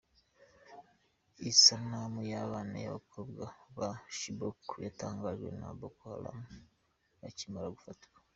Isanamu y'abana b' abakobwa ba Chibok, yatangajwe na Boko Haram bakimara gufatwa .